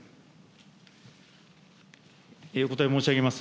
お答え申し上げます。